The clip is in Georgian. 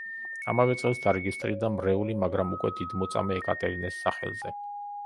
ამავე წელს დარეგისტრირდა მრევლი, მაგრამ უკვე დიდმოწამე ეკატერინეს სახელზე.